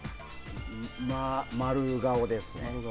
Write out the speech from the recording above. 丸顔ですね。